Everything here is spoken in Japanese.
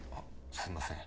すんません。